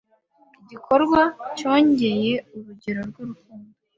Igikorwa cyongera urugero rw’urukundo